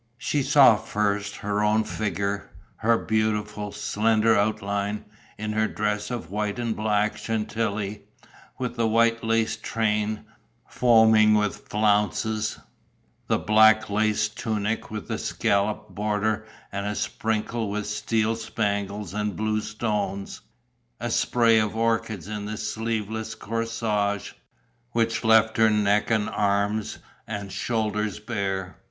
She saw first her own figure, her beautiful, slender outline, in her dress of white and black Chantilly, with the white lace train, foaming with flounces, the black lace tunic with the scalloped border and sprinkled with steel spangles and blue stones, a spray of orchids in the sleeveless corsage, which left her neck and arms and shoulders bare.